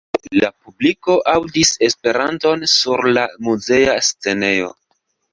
La publiko aŭdis Esperanton sur la muzea scenejo.